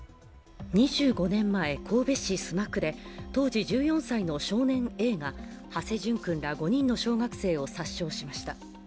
２５年前、神戸市須磨区で当時１４歳の少年Ａが土師淳君ら５人の小学生を殺傷しました。